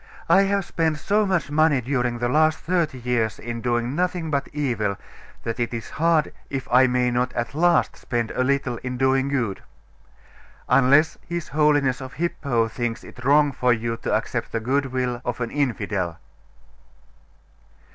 I have spent so much money during the last thirty years in doing nothing but evil, that it is hard if I may not at last spend a little in doing good. Unless his Holiness of Hippo thinks it wrong for you to accept the goodwill of an infidel?